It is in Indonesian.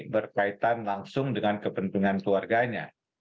berkaitan langsung dengan kepentingan keluarganya